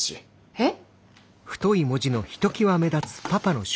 えっ？